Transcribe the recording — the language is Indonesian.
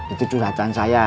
itu curhatan saya